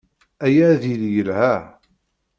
Aya ad yili yelha.